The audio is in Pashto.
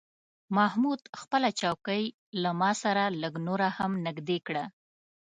محمود خپله چوکۍ له ما سره لږه نوره هم نږدې کړه.